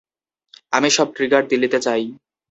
আমি সব ট্রিগার দিল্লি তে চাই।